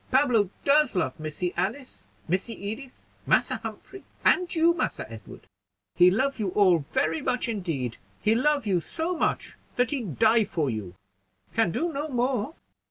Pablo does love Missy Alice, Missy Edith, Massa Humphrey, and you, Massa Edward; he love you all very much indeed; he love you so much that he die for you! Can do no more."